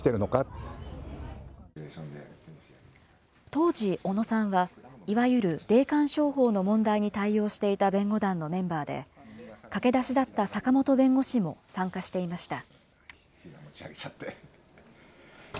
当時、小野さんはいわゆる霊感商法の問題に対応していた弁護団のメンバーで、駆け出しだった坂本弁護士も参加していました。